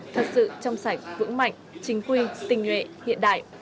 thật sự trong sạch vững mạnh chính quy tình nguyện hiện đại